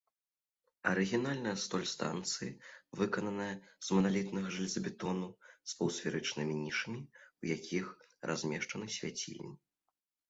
Арыгінальная столь станцыі выкананая з маналітнага жалезабетону з паўсферычным нішамі, у якіх размешчаны свяцільні.